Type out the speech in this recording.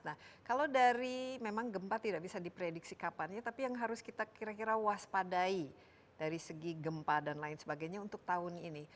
nah kalau dari memang gempa tidak bisa diprediksi kapan ya tapi yang harus kita kira kira waspadai dari segi gempa dan lain sebagainya untuk tahun ini